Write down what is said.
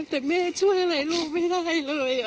แต่แม่ช่วยอะไรลูกไม่ได้เลย